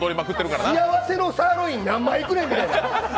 幸せのサーロイン何枚いくねん！みたいな。